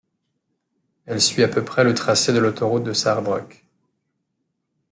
Elle suit à peu près le tracé de l’autoroute de Sarrebruck.